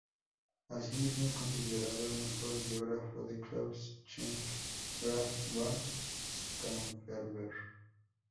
Así mismo es considerado el mejor biógrafo de Claus Schenk Graf von Stauffenberg.